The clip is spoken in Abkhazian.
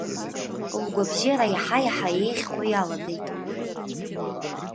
Лгәабзиара иаҳа-иаҳа еиӷьхо иалагеит.